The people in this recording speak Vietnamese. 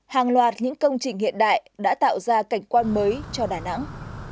hàng loạt những công trình hiện đại đã tạo ra cảnh quan mới cho đà nẵng